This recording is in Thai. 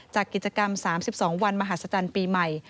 จากกิจกรรม๓๒วันมหัศจรรย์ปีใหม่